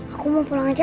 aku mau pulang saja